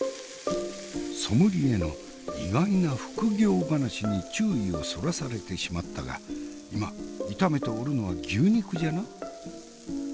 ソムリエの意外な副業話に注意をそらされてしまったが今炒めておるのは牛肉じゃな。